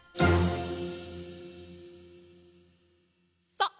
さあ